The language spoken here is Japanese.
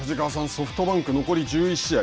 ソフトバンク、残り１１試合。